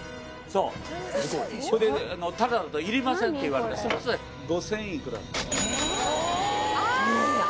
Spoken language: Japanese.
それでねいりませんって言われて５０００いくらだった。